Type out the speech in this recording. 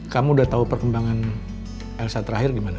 kamu udah tahu perkembangan elsa terakhir gimana